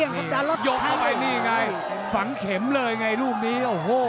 ยกออกไปนี่ไงฝังเข็มเลยไงลูกนี้